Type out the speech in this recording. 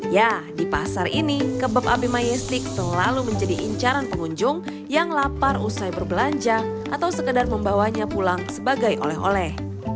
ya di pasar ini kebab abima yestik selalu menjadi incaran pengunjung yang lapar usai berbelanja atau sekedar membawanya pulang sebagai oleh oleh